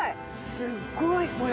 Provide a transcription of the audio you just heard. すごいこれ。